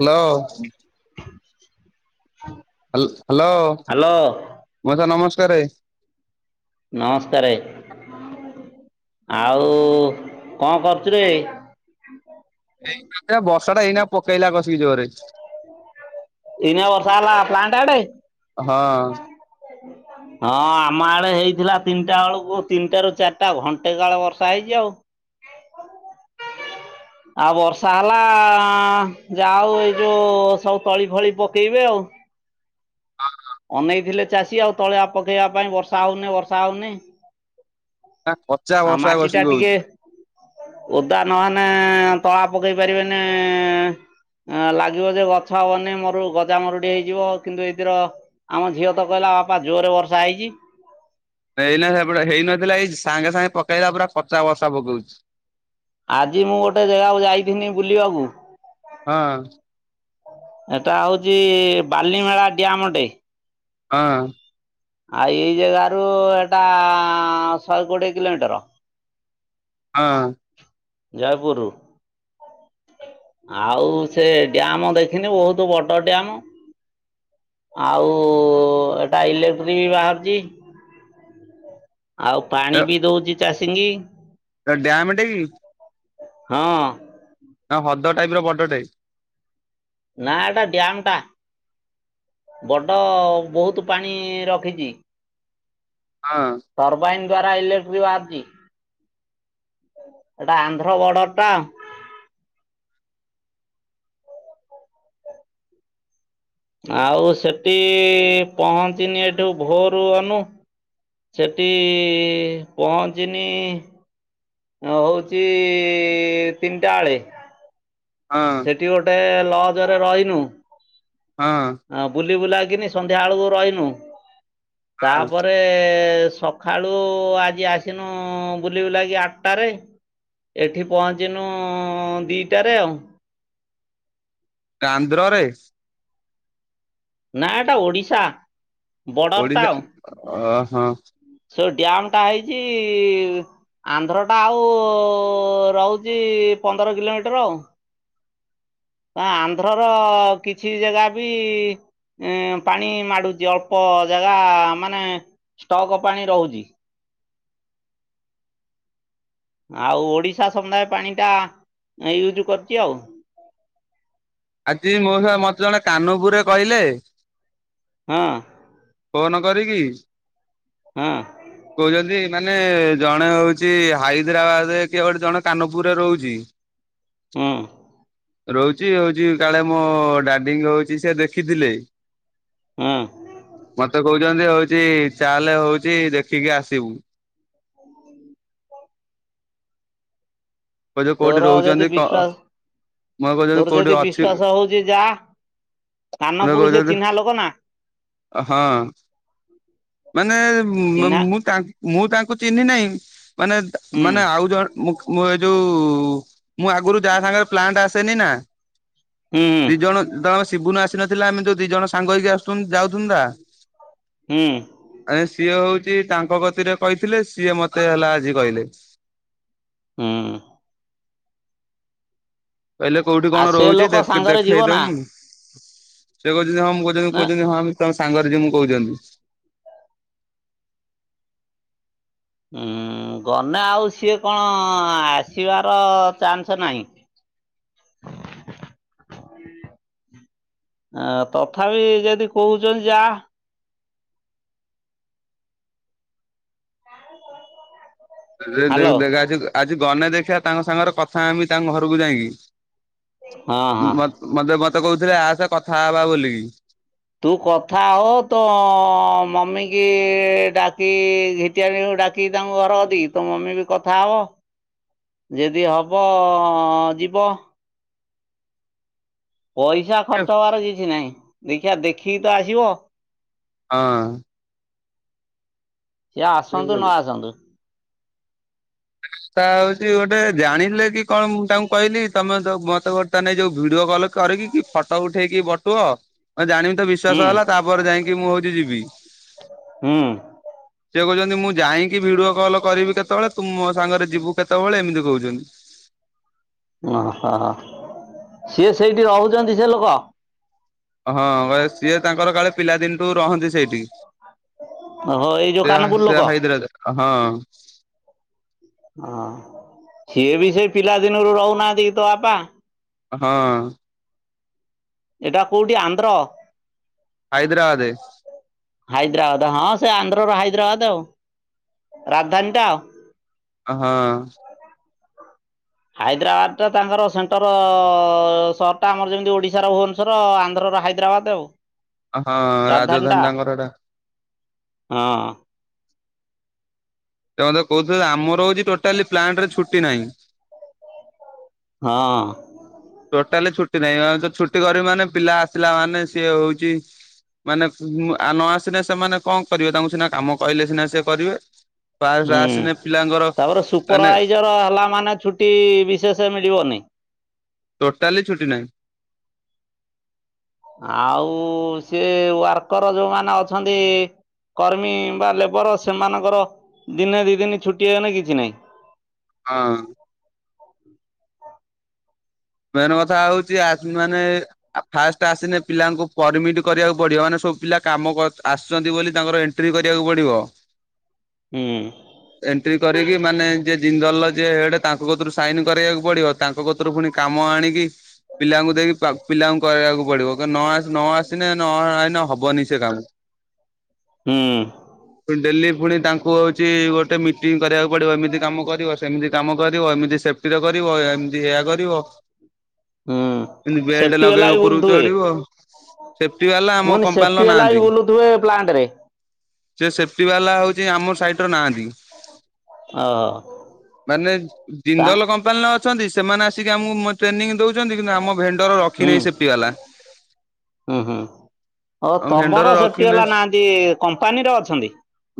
Hello. ହ [inaudible] hello ମଉସା ନମସ୍କାରେ। ନମସ୍କାରେ। ଆଉ କଣ କରୁଚୁ ରେ? ଏଇ ବର୍ଷ ଟା ଏଇନା ପକେଇଲା କସିକି ଜୋରରେ। ଏଇନା ବର୍ଷା ହେଲା ପ୍ଲାଣ୍ଟ ଆଡେ? ହଁ। [unintelligible] ହଁ ଆମ ଆଡେ ହେଇଥିଲା ତିନିଟା ବେଳକୁ ତିନିଟା ରୁ ଚାରିଟା ଘଣ୍ଟେ କାଳ ବର୍ଷା ହେଇଛି ଆଉ। ଆଉ ବର୍ଷା ହେଲା ଯାହୋଉ ଏଇ ଯୋଉ ସବୁ ତଳି ଫଳି ପକେଇବେ ଆଉ ଅନେଇଥିଲେ ଚାଷୀ ଆଉ ତଳିଆ ପକେଇବା ପାଇଁ ବର୍ଷା ହଉନି ବର୍ଷା ହଉନି ନା କଚା ଆ ବର୍ଷା ମାଟି କଷିକି ଟା ହଉଛି। ଟିକେ ଓଦା ନହେଲେ ତଳା ପକେଇ ପାରିବେନି ଲାଗିବ ଯେ ଗଛ ହବନି ମରୁ ଗଜା ମରୁଡି ହେଇଯିବ। କିନ୍ତୁ ଏଥିର ଆମ ଝିଅ ତ କହିଲା ବାପା ଜୋର ରେ ବର୍ଷା ହେଇଚି। ଏଇନାହେପଟେ ହେଇନଥିଲା ଏଇ ସାଙ୍ଗେ ସାଙ୍ଗେ ପକେଇଲା ପୁରା କଚା ବସା ପକଉଚି। ଆଜି ମୁଁ ଗୋଟେ ଜାଗାକୁ ଯାଇଥିନି ବୁଲିବାକୁ। ହଁ। ଏଟା ହଉଛି ବାଲିମେଳା ଡି୍ୟାାମଟେ ହଁ। ଆଉ ଏଇ ଜାଗାରୁୁ ଏଟା ଶହେ କୋଡିଏ କିଲୋମିଟର ହଁ। ଯାୟ ପୁରୁ ଆଉ ସେ ଡ଼୍ୟାମ ଦେଖିନି ବହୁତ ବଡ ଡ୍ୟାମ। ଆଉ ଏଟା ଇଲେକ୍ଟ୍ରିକ ବି ବାହାରୁିଛି। ଆଉ ପାଣି ବି ଦଉଛି ଚାଷୀ କି। ତ ଡ୍ୟାାମଟେ କି? ହଁ। ନା ହଦ ଟାଇପ ର ବଡ଼ଟେ। ନା ଏଟା ଡିୟାମ ଟା ବଡ ବହୁତ ପାଣି ରଖିଛି ହଁ। ଟର୍ରବାଇନ ଦ୍ଵାରା ଇଲେକ୍ଟ୍ରି ଭାରିଛି। ଏଟା ଆନ୍ଧ୍ର ବର୍ଡର ଟା ଆଉ ସେଠି ପହଞ୍ଚିନି ଏଠୁ ଭୋରୁ ଗନୁ ସେଠି ପହଞ୍ଚିନି ହ ହଉଛି ତିନିଟା ଳେ ହଁ। ଠି ଗୋଟେ ଲଜରେ ରହିନୁ ହଁ। ବୁଲି ବୁଲାକିନି ସନ୍ଧ୍ୟା ବେଳକୁ ରହିନୁ ହଁ ତାପରେ ସ ଖାଳୁ ଆଜି ଆସିନୁ ବୁଲିବୁ ଲା କି ଆଠଟାରେ। ଏଠି ପହଞ୍ଚିନୁ ଦୁଇଟାରେ ଆଉ ଆନ୍ଧ୍ରରେ? ନା ଏଟା ଓଡିଶା। ବର୍ଡର ଟା ଓଡିଶା ଆଉ ଅ ହଁ। ସେ ଡ୍ୟାମ୍ ଟା ହେଇଛି ଆନ୍ଧ୍ରଟା ଆଉ ରହୁଛି ପନ୍ଦର କିଲୋମିଟର ଆଉ ଆନ୍ଧ୍ର ର କିଛି ଜାଗା ବି ଏ ପାଣି ମାଡୁଚି ଅଳ୍ପ ଜାଗା ମାନେ ଷ୍ଟକ ପାଣି ରହୁଛି। ଆଉ ଓଡ଼ିଶା ସମୁଦାୟ ପାଣିଟା ୟୁଜ୍ କରିଛି ଆଉ ଆଜି ମଉସା ମତେ ଜଣେ କାନପୁରେ କହିଲେ ହଁ। ଫୋନ କରିକି ହଁ କହୁଛନ୍ତି ମାନେ ଜଣେ ହଉଛି ହାଇଦ୍ରାବାଦ ରେ କିଏ ଗଟେ ଜଣେ କାନପୁରରେ ରହୁଛି। ହୁଁ। ରହୁଛି ହଉଛି କାଳେ ମୋ ଡାଡିଙ୍କ ହଉଛି ସେ ଦେଖିଥିଲେ ହୁଁ ମତେ କହୁଛନ୍ତି ହଉଛି ଚାଲେ ହଉଛି ଦେଖିକି ଆସିବୁ। ଓୁ କହୁଛ କୋଉଠି ତୋର ଯଦି ରହୁଛନ୍ତି କ ବିଶ୍ଵାସ ମତେ କହୁଛନ୍ତି ତୋର କୋଉଠି ଯଦି ଅଛି। ବିଶ୍ଵାସ ହଉଛି ଯା କାନପୁର ସେ କହୁଛନ୍ତି ଚିହ୍ନା ଲୋକ ନା ହଁ। ମାନେ ଚିହ୍ନା ମୁଁ ତାଙ୍କ ମୁଁ ତାଙ୍କୁ ଚିହ୍ନି ନାହିଁ ମାନେ ହୁଁ। ମାନେ ଆଉ ମୁ ଜଣ ଏ ଯୋଉ ମୁଁ ଆଗରୁ ଯାହା ସାଙ୍ଗରେ ପ୍ଲାଣ୍ଟ ଆସେନି ନା ହୁଁ ଦି ଜଣ ଜଣ ଶିବୁନୁ ଆସି ନଥିଲା ଆମେ ଯୋଉ ଦି ଜଣ ସାଙ୍ଗ ହେଇକି ଆସୁ ଯାଉଛନ୍ତିତା। ହୁଁ ଆ ସିଏ ହଉଛି ତାଙ୍କ ଗତିରେ କହିଥିଲେ ସିଏ ମତେ ହେଲା ଆଜି କହିଲେ। ହଁ କହିଲେ କୋଉଠି ଆଉ କଣ ସେ ରହୁଛି ଦେ ଲୋକ ସାଙ୍ଗରେ ଯିବ ନା ଦେଖେଇଦମୁୁ। ସେ କହୁଛନ୍ତି ହଁ ମୁଁ କହୁଛନ୍ତି ଏଁ କହୁଛନ୍ତି ହଁ ତମ ସାଙ୍ଗରେ ଯିମୁ କହୁଛନ୍ତି। ହୁଁ ଗନେ ଆଉ ସିଏ କଣ ଆସିବାର ଚାନ୍ସ ନାହିଁ। ଆ ତଥାପି ଯଦି କହୁଛନ୍ତି ଯା। ହ୍ୟାଲୋ ଦେଖା ଆଜି ଗନେ ଦେଖିବା ତାଙ୍କ ସାଙ୍ଗରେ କଥା ହେମି ତାଙ୍କ ଘରକୁ ଯାଇକି। ହଁ ହଁ ମ ମତେ ମତେ କହୁଥିଲେ ଆସେ କଥା ହବା ବୋଲିକି। ତୁ କଥାହ ତ ମମିକି ଡାକି ଡାକି ତାଙ୍କ ଘରଦିକି ତୋ ମମି ବି କଥା ହବ। ଯଦି ହବ ଯିବ। ପଇସା ହଁ। ଖର୍ଚ୍ଚ ହବାର କିଛି ନାହିଁ ଦେଖିବା ଦେଖିକି ତ ଆସିବ। ହଁ ସିଏ ଆସନ୍ତୁ ନ ଆସନ୍ତୁ। ତା ହଉଛି ଗୋଟେ ଜାଣିଲେ କି କଣ ମୁ ତାଙ୍କୁ କହିଲି ତମେ ମତେ ଗୋଟେ ବର୍ତ୍ତମାନେ ଯୋଉ ଭିଡିଓ କଲ କରିକି କି ଫଟୋ ଉଠେଇକି ବଟୁଅ ମୁଁ ଜାଣିବି ତ ହୁଁ ବିଶ୍ଵାସ ହେଲା ତାପରେ ଯାଇକି ମୁଁ ହଉଛି ଯିବି। ହୁଁ। ସିଏ କହୁଛନ୍ତି ମୁଁ ଯାଇକି ଭିଡିଓ କଲ କରିବି କେତେବେଳେ ତୁ ମୋ ସାଙ୍ଗରେ ଯିବୁ କେତେବେଳେ ଏମିତି କ କହୁଛନ୍ତି। ଓହ ସିଏ ସେଇଠି ରହୁଛନ୍ତି ସେ ଲୋକ। ହଁ ବା ସିଏ ତାଙ୍କର କାଳେ ପିଲାଦିନଠୁ ରହନ୍ତି ସେଇଠି। ଓହୋ ଏଇ ଯୋଉ ସେ କାନପୁର ସେ ଲୋକ। ହାଇଦ୍ରାବାଦ ରେ ହଁ ହଁ ସିଏ ବି ସେ ପିଲାଦିନରୁ ରହୁନାହାନ୍ତି ତୋ ବାପା ହଁ ଏଇଟା କୋଉଠି ଆନ୍ଧ୍ର? ହାଇଦ୍ରାବାଦେ। ହାଇଦ୍ରାବାଦ ହଁ ସେ ଆନ୍ଧ୍ରର ହାଇଦ୍ରାବାଦ ଆଉ ରାଜଧାନୀ ଟା ଆଉ। ହଁ ହାଇଦ୍ରାବାଦ ଟା ତାଙ୍କର ସେଣ୍ଟର ସହର ଟା ଆମର ଯେମିତି ଓଡ଼ିଶା ର ଭୁବନ ର ଆନ୍ଧ୍ରର ହାଇଦ୍ରାବାଦ ଆଉ। ହଁ ରାଜଧାନୀ ତାଙ୍କର ହେଇଟା। ହଁ [unintelligible] କହୁଥିଲେ ଆମର ହଉଛି ଟୋଟାଲି ପ୍ଲାଣ୍ଟରେ ଛୁଟି ନାହିଁ। ହଁ ଟୋଟାଲି ଛୁଟି ନାହିଁ ମେ ତ ଛୁଟି କରିବି ମାନେ ପିଲା ଆସିଲା ମାନେ ସିଏ ହଉଛି ମାନେ ଆ ନ ଆସିନେ ସେମାନେ କଣ କରିବେ ତାଙ୍କୁ ସିନା କାମ କହିଲେ ସିନା ସିଏ କରିବେ। ଫାଷ୍ଟ ହୁଁ ଆସିଲେ ପିଲାଙ୍କର ତାପରେ ମାନେ ସୁପରଭାଇଜର ହେଲା ମାନେ ଛୁଟି ବିଶେଷ ମିଳିବନି। ଟୋଟାଲି ଛୁଟି ନାହିଁ। ଆଉ ଉ ସିଏ ୱାର୍କର ଯୋଉମାନେ ଅଛନ୍ତି। କର୍ମୀ ବା ଲେବର ସେମାନଙ୍କର ଦିନେ ଦି ଦିନ ଛୁଟି ହେଲେ କିଛି ନାହିଁ। ହଁ। ମେନ୍ କଥା ହଉଚି ଆଜି ମାନେ ଫାଷ୍ଟ ଆସିନେ ପିଲାଙ୍କୁ ପରମିଟ କରିବାକୁ ପଡିବ ମାନେ ସବୁ ପିଲା କାମ ଆସୁଛନ୍ତି ବୋଲି ତାଙ୍କର ଏଣ୍ଟ ଏଣ୍ଟ୍ରି କରିବାକୁ ପଡିବ। ହୁଁ। ଏଣ୍ଟ୍ରି କରିକି ମାନେ ଯିଏ ଜିନ୍ଦଲ ଯିଏ ହେଡ ତାଙ୍କ କତୁରୁ ସାଇନ କରେଇବାକୁ ପଡିବ। ତାଙ୍କ କତୁରୁ ପୁଣି କାମ ଆଣିକି ପିଲାଙ୍କୁ ଦେବି ପା ପିଲାଙ୍କୁ କହିବାକୁ ପଡିବ ନ ଆସ ନ ଆସିନେ ନ ଆଇନେ ହବନି ସେ କାମ। ହୁଁ। ପୁଣି ଡେଲି ପୁଣି ତାଙ୍କୁ ହଉଛି ଗୋଟେ ମିଟିଂ କରିବାକୁ ପଡିବ ଏମିତି କାମ କରିବ ସେ ଏମିତି କାମ କରିବ ଏମିତି ସେଫ୍ଟିର କରିବ ଏମିତି ଏୟା କରିବ। ହୁଁ ଏମିତି ବେଲ୍ଟ ସେଫ୍ଟି ବାଲା ଲଗେଇକି ବି ଉପର କୁ ବୁଲୁଥିବେ। ଚଢିବ। ମୁଁ ସେଫ୍ଟି ବାଲା ଆମ କମ୍ପାନୀ ଲ ନା ଏମ୍ପଲାଇ ବୁଲୁଥିବେ ପ୍ଲାଣ୍ଟ ରେ। ସେ ସେଫ୍ଟି ବାଲା ହଉଚି ଆମ ସାଇଟ ରେ ନାହାନ୍ତି। ହ। ମାନେ ଜିନ୍ଦଲ କମ୍ପାନୀଲେ ଅଛନ୍ତି ସେମାନେ ଆସିକି ଆମକୁ ମୋ ଟ୍ରେନିଂ ଦଉଚନ୍ତି କିନ୍ତୁ ଆମ ଭେଣ୍ଡର ରଖି ହୁଁ ନାଇଁ ସେପ୍ଟି ବାଲା। ହୁଁ ହୁଁ ଓ ଆମ ଭେଣ୍ଡର ତମର ସେଫ୍ଟି ବାଲା ରଖିନାହିଁ। ନାହାନ୍ତି କମ୍ପାନୀରେ ଅଛନ୍ତି।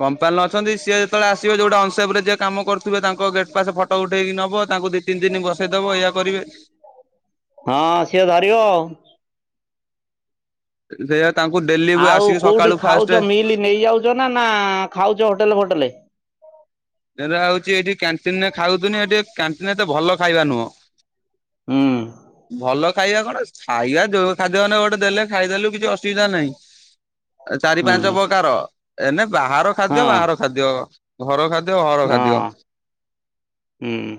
କମ୍ପାନୀ ଲେ ଅଛନ୍ତି ସିଏ ଯେତେବେଳେ ଆସିବେ ଯୋଉଠୀ ଅନସେପ ରେ ଯିଏ କାମ କରୁ ଥିବେ ତାଙ୍କ ଗେଟ ପାସେ ଫଟୋ ଉଠେଇକି ନବ ତାଙ୍କୁ ଦି ତିନି ଦିନ ବସେଇଦବ ଏୟା କରିବେ। ହଁ ସିଏ ଧରିବ। ସେୟା ତାଙ୍କୁ ଡେଲି ଆଉ ଆସିକି କୋଉଠି ସକାଳୁ ଫାଷ୍ଟେ ଖାଉଛ ମିଲ୍ ନେଇଯାଉ ଛ ନା ନା ଖାଉଛ ହୋଟେଲେ ଫୋଟେଲେରେ। ଏରା ହଉଛି ଏଠି କ୍ୟାଣ୍ଟିନରେ ଖାଉଚନ୍ତି ଏଠି କ୍ୟାଣ୍ଟିନ ଏତେ ଭଲ ଖାଇବା ନୁହଁ। ହୁଁ। ଭଲ ଖାଇବା କଣ ଖାଇବା ଯୋଉ ଖାଦ୍ୟ ହେନେ ଗୋଟେ ଦେଲେ ଖାଇଦେଲୁ କି କିଛି ଅସୁବିଧା ନାହିଁ ଚାରି ହୁଁ ପାଞ୍ଚ ପ୍ରକାର ଏନେ ବାହାର ଖାଦ୍ୟ ହଁ ବାହାର ଖାଦ୍ୟ ଘର ଖାଦ୍ୟ ଘର ଖାଦ୍ୟ। ହଁ। ହୁଁ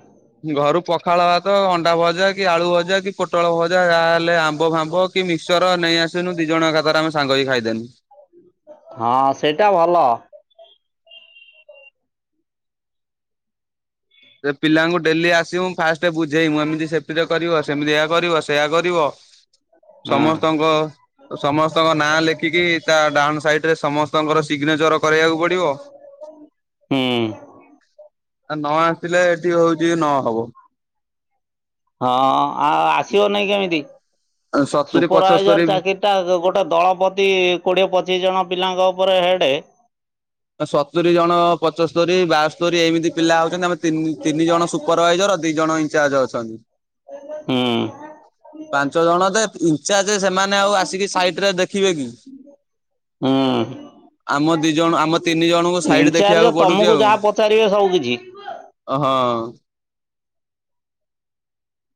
ଘରୁ ପଖାଳ ଭାତ ଅଣ୍ଡା ଭଜା କି ଆଳୁ ଭଜା କି ପୋଟଳ ଭଜା ଯାହାହେଲେ ଆମ୍ବ ଫାମ୍ବ। କି ମିକ୍ସଚର ନେଇ ଆସିନୁ ଦି ଜଣ ଏକାଥରେ ଆମେ ସାଙ୍ଗ ହେଇକି ଖାଇଦେନୁ। ହଁ ସେଇଟା ଭଲ। ସେ ପିଲାଙ୍କୁ ଡେଲି ଆସିବୁ ମୁଁ ଫାଷ୍ଟ ବୁଝେଇବୁ ଏମିତି ସେପ୍ଟି ରେ କରିବ ସେମିତି ଏୟା କରିବ ସେୟଆ କରିବ। [unintelligible] ସମସ୍ତଙ୍କ ସମସ୍ତଙ୍କ ନାଁ ଲେଖିକି ତା ଡାହାଣ ସାଇଟ ରେ ସମସ୍ତଙ୍କର ସିଗ୍ନେଚର କରିବାକୁ ପଡିବ। ହୁଁ ଆ ନଆ ଥିଲେ ଏଠି ହଉଛି ନହବ। ହଁ ଆଉ ଆସିବ ନାଇଁ କେମିତି ସତୁରି ପଚସ୍ତରୀ ସୁପରଭାଇଜର ଚାକିରି ଟା ଗୋଟେ ଦଳ ପତି କୋଡ଼ିଏ ପଚିଶ ଜଣ ପିଲାଙ୍କ ଉପରେ ହେଡ଼େ। ସତୁରୀ ଜଣ ପଚୋସ୍ତରୀ ବାସ୍ତରୀ ଏମିତି ପିଲା ଆଉ ଚନ୍ତି ଆମେ ତିନି ତିନି ଜଣ ସୁପ ସୁପର ଭାଇଜର ଦି ଜଣ ଇନଚାର୍ଜ ଅଛନ୍ତି। ହୁଁ। ପାଞ୍ଚ ଜଣ ଯେ ଇନଚାର୍ଜ ସେମାନେ ଆଉ ଆସିକି ସାଇଟରେ ଦେଖିବେ କି? ହୁଁ ଆମ ଦି ଜଣ ଆମ ତିନି ଜଣଙ୍କୁ ସାଇଡ ଇନଚାର୍ଜ ଦେଖିବାକୁ ପଡୁଚି ତମକୁ ଆଉ। ଯାହା ପଚାରିବେ ସବୁ କିଛି ଅ ହ।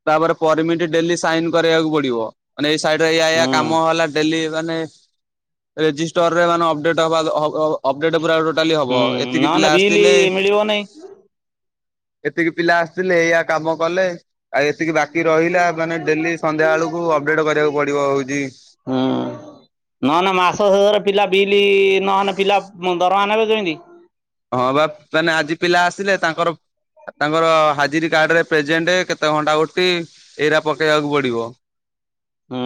ତାପରେ ପରମିଟି ଡେଲି ସାଇନ୍ କରେଇଆକୁ ପଡି଼ବ ମାନେ ଏ ସାଇଡ୍ ରେ ଏୟା ଏୟା ହୁଁ କାମ ହେଲା। ଡେଲି ମାନେ ରେଜିଷ୍ଟର୍ରେ ମାନେ ଅପଡେଟ୍ ହବା ହବ୍ ହବ୍ ଅପଡେଟ୍ ପୁରା ଟୋଟାଲି ହବ ହୁଁ ଏତିକି ନହେଲେ ପିଲା ବିଲ୍ ଆସଥିଲେ। ମିଳିବ ନାଇଁ ଏତିକି ପିଲା ଆସଥିଲେ ଏଇୟା କାମ କଲେ। ଆ ଏତିକି ବାକି ରଇଲା ମାନେ ଡେଲି ସନ୍ଧ୍ୟା ବେଳକୁ ଅପଡେଟ୍ କରିଆକୁ ପଡ଼ିବ ଉଦି ହୁଁ। ନଏନେ ମାସ ଶେଷରେ ପିଲା ବିଲି ନହେନେ ପିଲା ମ ଦରମା ନେବେ କେମିତି? ହଁ ବା ପେନେ ଆଜି ପିଲା ଆସିଲେ ତାଙ୍କର ତାଙ୍କର ହାଜିରି କାର୍ଡ ରେ ପ୍ରେଜେଣ୍ଡେ କେତ୍ ତେ ଘଣ୍ଟା ଡ୍ୟୁଟି ଏଇରା ପକେଇବାକୁ ପଡ଼ିବ। ହୁଁ।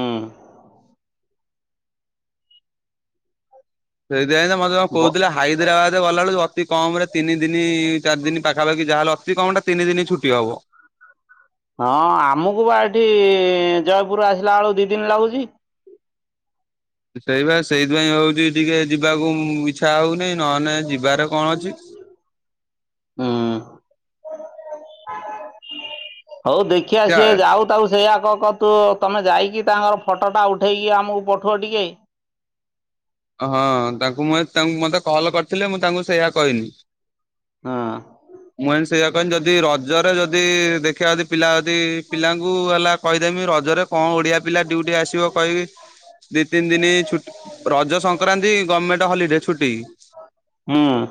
ସେଇଦିପାଇଁ ତ ମଦ୍ ମା ବ କଉଥିଲା। ହାଇଦ୍ରାବାଦ୍ ଏ ଗଲା ବେଳୁ ଅତି କମ୍ ରେ ତିନି ଦିନି ଚାର୍ ଦିନ୍ ପାଖାପାଖି ଯାହେଲେ ଅତି କମ୍ଟା ତିନି ଦିନି ଛୁଟି ହବ୍। ହଁ ଆମକୁ ବା ଏଠି ଜୟପୁର୍ ରୁ ଆସିଲା ବେଳକୁ ଦି ଦିନ୍ ଲାଗୁଛି। ସେଇବା ସେଇତି ପାଇଁ ହଉଚି ଟିକେ ଯିବାକୁ ଉଁ ଇଚ୍ଛା ଅଉନେଇ ନଏଲ୍ ନେଇ ଯିବାର କଣ ଅଛି। ହଉ ଦେଖିଆ ସିଏ ଯାଉ। ତାଉ ସେୟା କହ ତୁ ତମେ ଯାଇକି ତାଙ୍କର ଫଟଟା ଉଠେଇକି ଆମକୁ ପଠା ଟିକେ। ହଁ ତାଙ୍କୁ ମୁଁ ଏ ତାଙ୍କୁ ମତେ କଲ୍ କରିଥିଲେ ମୁଁ ତାଙ୍କୁ ସେୟା କଇଲି। ହଁ। ମୁଁ ଏନ୍ ସେୟା କଇନି ଯଦି ରଜରେ ଯଦି ଦେଖିଆ ଯଦି ପିଲା ୟଦି ପିଲାଙ୍କୁ ଏଲା କଇଦେମି ରଜରେ କଁ ଓଡ଼ିଆ ପିଲା ଡ୍ୟୁଟି ଆସିବ କଇବି। ଦି ତିନ୍ ଦିନି ଛୁଟ୍ ରଜ ସଂକ୍ରାନ୍ତି ଗମେଣ୍ଟ ହଲିଡେ ଛୁଟି।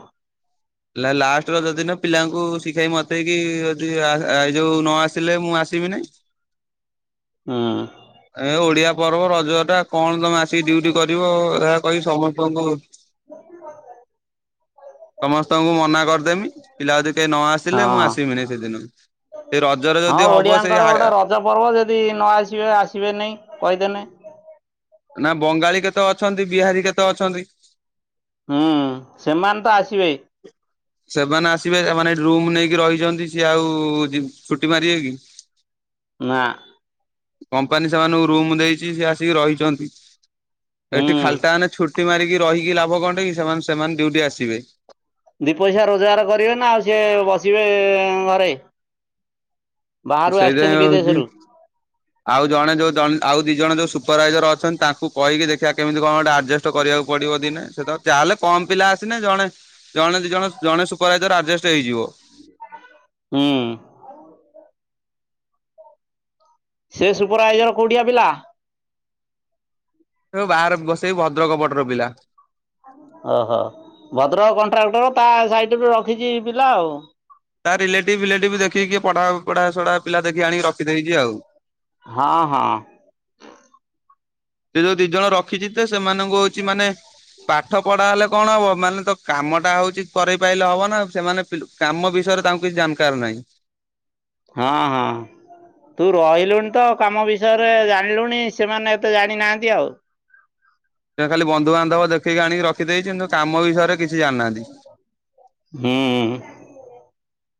[inaudible] ଲା ଲାଷ୍ଟ ରଜ ଦିିନ ପିଲାଙ୍କୁ ଶିଖେଇ ମତେଇକି ୟଦି ଆସ୍ ଆ ଏ ଯୋଉ ନ ଆସିଲେ ମୁଁ ଆସ୍ ବି ନାଇଁ। ହୁଁ। ଏଁ ଓଡ଼ିଆ ପର୍ବ ରଜ ଟା କଣ ତମେ ଆସିକି ଡ୍ୟୁଟି କରିବ ରା କହିବି ସମସ୍ତଙ୍କୁ [inaudible] ସମସ୍ତଙ୍କୁ ମନା କରିଦେମି ପିଲା ୟଦି କେ ନ ଆସିଲେ ମୁଁ ହଁ। ଆସିମିନି ସେଦିନ। ଏ ରଜରେ ଯଦି ହବ ସେଇ ହାୟା ଜ ପର୍ବ ଯଦି ନ ଆସିବେ ଆସିବେ ନାଇ କଇଦେନି। ନାଁ ବଙ୍ଗାଳୀ କେତେ ଅଛନ୍ତି ବିହାରୀ କେତେ ଅଛନ୍ତି? ହୁଁ ସେମାନ୍ ତ ଆସିବେ। ସେମାନେ ଆସିବେ ଏମାନେ ଏଟି ରୁମ୍ ନେଇକି ରଇଜନ୍ତି ସିଏ ଆଉ ଜିଏ ଛୁଟି ମାରିବେ କି? ନାଁ କମ୍ପାନୀ ସେମାନଙ୍କୁ ରୁମ୍ ଦେଇଚି ସେ ଆସିକି ରହିଛନ୍ତି। ହୁଁ। ଏଠି ଖାଲ୍ଟା ମାନେ ଛୁଟି ମାରିକି ରହିକି ଲାଭ କଁଟା କି ସେମାନେ ସେମାନେ ଡ୍ୟୁଟି ଆସିବେ। ଦି ପଇସା ରୋଜ୍ଗାର୍ କରିବେ ନା ଆଉ ସିଏ ବସିବେ ଏ ଘରେ। ବାହାରୁ ସେଇଥିପାଇଁ ଆସିଛନ୍ତି ବିଦେଶ୍ ହଉଛି ରୁ। ଆଉ ଜଣେ ଯୋଉ ଯନ୍ ଆଉ ଦି ଜଣ ଯୋଉ ସୁପର୍ବାଇଜର୍ ଅଛନ୍ ତାଙ୍କୁ କଇକି ଦେଖିଆ କେମ୍ତି କଁ ଗୋଟେ ଆର୍ଜେଷ୍ଟ୍ ଚ କରିଆକୁ ପଡ଼ିବ ଦିନେ ସେତ ଚାଲେ କମ୍ ପିଲା ଆସିନେ ଜଣେ ଜଣେ ଦି ଜଣ, ଜଣେ ସୁପର୍ରାଇଜର୍ ଆର୍ଜେଷ୍ଟ୍ ହେଇଯିବ। ଉଁ। ସେ ସୁପର୍ବାଇଜର କୋଉଟିଆ ପିଲା। ଏଓ ବାଆରକୁ ବସେଇ ଭଦ୍ରକ ପଟର ପିଲା। ଅହ। ବଦ୍ରକ କଣ୍ଟ୍ରାକ୍ଟର ତା ସାଇଟ୍ ରୁ ରଖିଚି ପିଲା ଆଉ। ତା ରିଲେଟିବ୍ ପିଲେଟିବ୍ ଦେଖି କିଏ ପଢ଼ାପଢ଼ା ସଢ଼ା ପିଲା ଦେଖି ଆଣିକି ରଖିଦେଇଚି ଆଉ। ହଁ ହଁ। ସେ ଯୋଉ ଦି ଜଣ ରଖିଚି ତ ସେମାନଙ୍କୁ ହଉଚି ମାନେ ପାଠ ପଢା ହେଲେ କଣ ହବ ମାନେ ତ କାମ ଟା ହଉଛି କରେଇ ପାଇଲେ ହବ ନା। ସେମାନେ ପି କାମ ବିଷୟରେ ତାଙ୍କୁ କିଛି ଜାନ୍ କାର ନାହିଁ। ହଁ ହଁ। ତୁ ରହିଲୁଣି ତ କାମ ବିଷୟରେ ଜାଣିଲୁଣି, ସେମାନେ ଏତେ ଜାଣିନାହାନ୍ତି ଆଉ। ସେ ଖାଲି ବନ୍ଧୁବାନ୍ଧବ ଦେଖିକି ଆଣିକି ରଖିଦେଇଛି କିନ୍ତୁ କାମ ବିଷୟରେ କିଛି ଜାଣିନାହାନ୍ତି। ହୁଁ।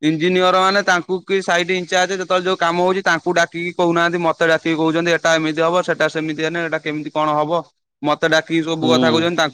ଇଞ୍ଜିନିୟର ମାନେ ତାଙ୍କୁ କିଛି ସାଇ୍ଟ୍ ଇନ୍ ଚାର୍ଜ ଯେତେବେଳେ ଯୋଉ କାମ ହଉଛି ତାଙ୍କୁ ଡାକିକି କହୁନାହାନ୍ତି ମତେ ମତେ ଡାକିକି କହୁଛନ୍ତି ଏଟା ଏମିତି ହବ, ସେଟା ସେମିତି ହେଲେ ଏଟା କେମିତି କଣ ହବ? ମତେ ଡାକି ସବୁ କଥା ହୁଁ। କହୁଛନ୍ତି। ତାଙ୍କୁ